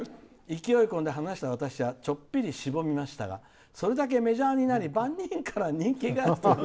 勢いで話した私はちょっぴり、しぼみましたがそれだけメジャーになり万人から人気が出ている」。